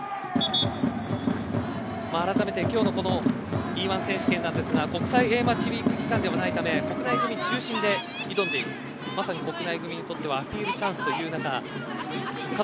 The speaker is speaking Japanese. あらためて今日のＥ‐１選手権なんですが国際Ａマッチスタジアムではないため国際組中心で挑んでいるまさに国際組にとってはいいチャンスという中加